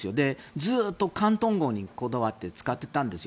ずっと広東語にこだわって使っていたんですよ。